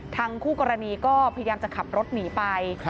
คู่กรณีก็พยายามจะขับรถหนีไป